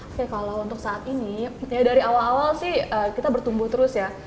oke kalau untuk saat ini dari awal awal sih kita bertumbuh terus ya